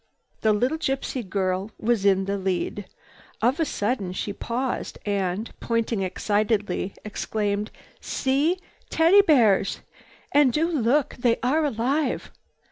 The little gypsy girl was in the lead. Of a sudden she paused and, pointing excitedly, exclaimed, "See! Teddy bears! And do look! They are alive!